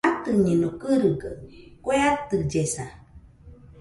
Atɨñeno gɨrɨgaɨ kue atɨllesa